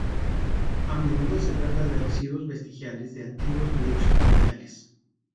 A menudo se trata de residuos vestigiales de antiguos lechos fluviales.